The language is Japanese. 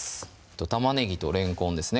玉ねぎとれんこんですね